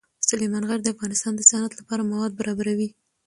سلیمان غر د افغانستان د صنعت لپاره مواد برابروي.